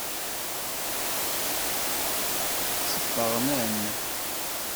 Sfeɣnen.